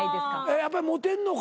やっぱりモテんのか？